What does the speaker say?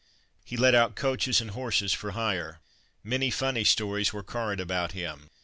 He let out coaches and horses for hire. Many funny stories were current about him.